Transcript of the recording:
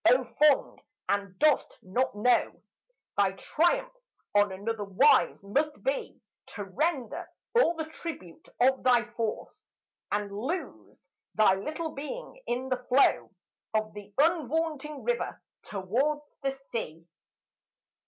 O fond, and dost not know Thy triumph on another wise must be, To render all the tribute of thy force, And lose thy little being in the flow Of the unvaunting river toward the sea!